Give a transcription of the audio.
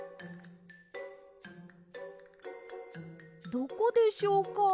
どこでしょうか？